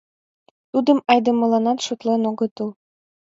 Тудым айдемыланат шотлен огытыл.